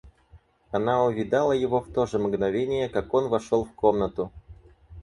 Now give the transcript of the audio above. Она увидала его в то же мгновение, как он вошел в комнату.